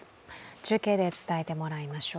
中継で伝えてもらいましょう。